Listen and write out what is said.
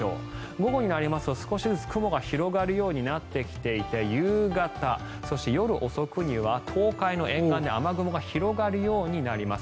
午後になると少しずつ雲が広がるようになってきていて夕方、そして夜遅くには東海の沿岸で雨雲が広がるようになります。